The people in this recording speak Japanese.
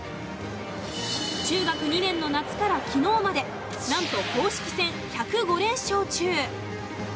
中学２年の夏から昨日までなんと公式戦１０５連勝中。